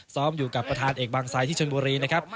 อยู่กับประธานเอกบางไซดที่ชนบุรีนะครับ